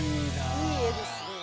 いい絵ですねえ。